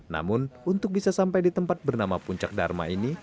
namun untuk bisa sampai di tempat bernama puncak dharma ini